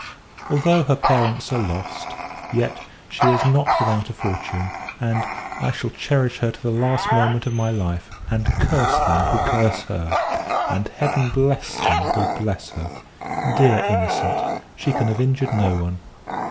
Although her parents are lost; yet, she is not without a fortune: and, I shall cherish her to the last moment of my life; and curse them who curse her, and Heaven bless them who bless her! Dear innocent! she can have injured no one.